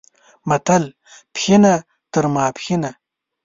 متل، پښینه تر ماپښینه